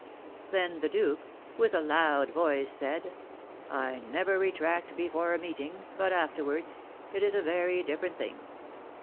Then the duke, with a loud voice, said, 'I never retract before a meeting, but, afterwards, it is a very different thing.